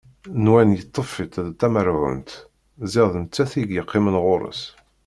Nwan yeṭṭef-itt d tamerhunt, ziɣ d nettat i yeqqimen ɣur-s.